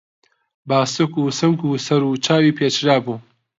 باسک و سنگ و سەر و چاوی پێچرابوو